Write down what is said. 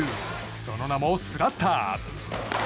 その名もスラッター。